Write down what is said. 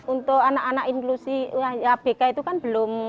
untuk anak anak inklusi abk itu kan belum